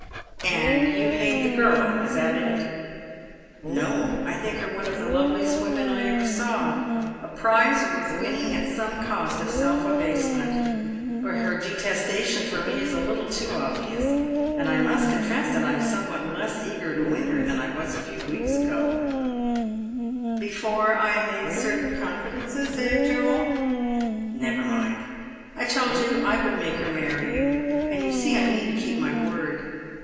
" And you hate the girl. Is that it ?"" No. I think her one of the loveliest women I ever saw ; a prize worth winning at some cost of self abasement. But her detestation for me is a little too obvious, and I must confess that I am somewhat less eager to win her than I was a few weeks ago " "Before I made certain confidences, eh,' Joel ? Nevermind. I told you I would make her many you, and you see I mean t(j keep my word.